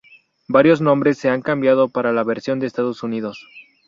Varios nombres se han cambiado para la versión de Estados Unidos.